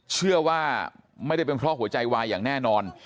เชื่อว่าไม่ได้เป็นเพราะหัวใจวายอย่างแน่นอน